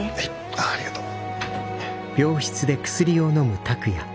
あっありがとう。